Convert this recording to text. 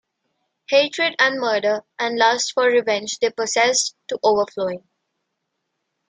Hatred and murder and lust for revenge they possessed to overflowing.